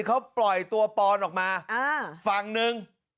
เขาปล่อยตัวปอนออกมาฝั่งหนึ่ง